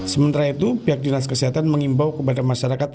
sementara itu pihak dinas kesehatan mengimbau kepada masyarakat